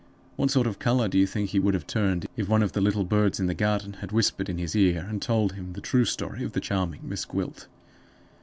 What sort of color do you think he would have turned, if one of the little birds in the garden had whispered in his ear, and told him the true story of the charming Miss Gwilt?